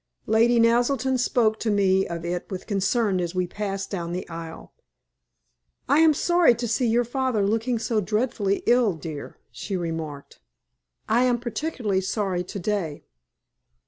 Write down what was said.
Lady Naselton spoke to me of it with concern as we passed down the aisle. "I am sorry to see your father looking so dreadfully ill dear," she remarked. "I am particularly sorry to day.